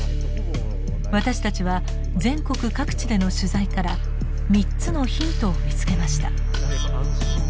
私たちは全国各地での取材から３つのヒントを見つけました。